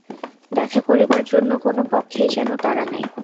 দেখা করিবার জন্য কোনো পক্ষেই যেন তাড়া নাই।